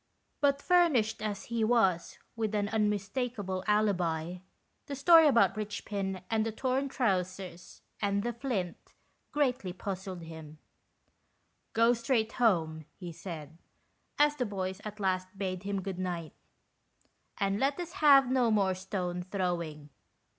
But, fur nished as he was with an unmistakeable alibi, the story about Richpin and the torn trousers, and the flint, greatly puzzled hiin. " Go straight home," he said, as the boys at last bade him good night, " and let us have no more stone throwing."